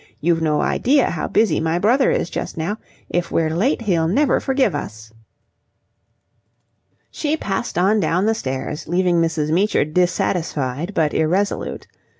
You've no idea how busy my brother is just now. If we're late, he'll never forgive us." She passed on down the stairs, leaving Mrs. Meecher dissatisfied but irresolute.